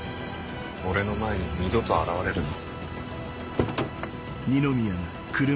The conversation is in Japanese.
俺の前に二度と現れるな。